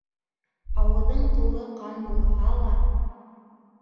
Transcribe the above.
Ауыҙың тулы ҡан булһа ла